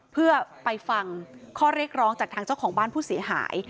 เพื่อไปฟังข้อเรียกร้องจากทางเจ้าของบ้านผู้เสียหาย